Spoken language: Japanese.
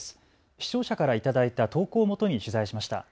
視聴者から頂いた投稿をもとに取材しました。